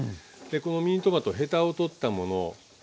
このミニトマトへたを取ったもの。